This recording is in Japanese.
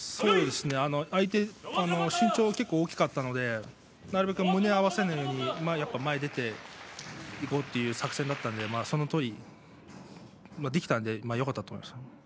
相手は身長が大きかったのでなるべくの胸をせないように前に出ていこうという作戦だったんでそのとおりできたのでよかったと思います。